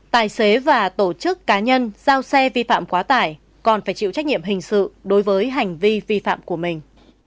tài xế và tổ chức cá nhân giao xe vi phạm quá tải còn phải chịu trách nhiệm hình sự đối với hành vi vi phạm của mình